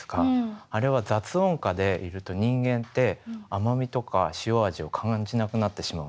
あれは雑音下でいると人間って甘みとか塩味を感じなくなってしまうんですって。